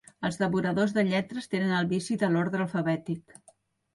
Els devoradors de lletres tenen el vici de l'ordre alfabètic.